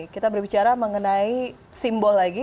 kita berbicara mengenai simbol lagi